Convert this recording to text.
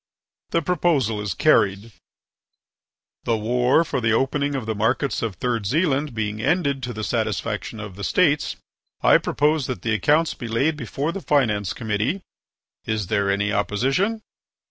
..." "The proposal is carried." "The war for the opening of the markets of Third Zealand being ended to the satisfaction of the States, I propose that the accounts be laid before the finance committee. ..." "Is there any opposition?